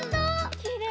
きれい！